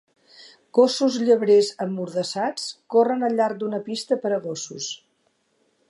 Gossos llebrers emmordassats corren al llarg d'una pista per a gossos.